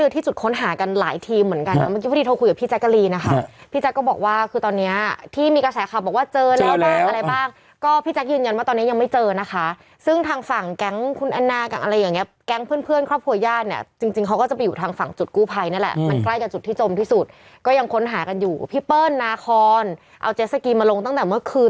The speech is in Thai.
เอาเมื่อกว่าเจสสกรีมเคสเอาเจสสกรีมมาลงตั้งแต่เมื่อคืน